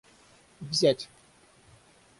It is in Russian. взять